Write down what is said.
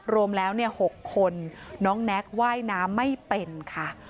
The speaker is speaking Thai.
รวมแล้ว๖คนน้องแน็กว่ายน้ำไม่เป็นค่ะ